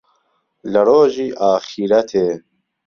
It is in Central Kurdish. له رۆژی ئاخیرهتێ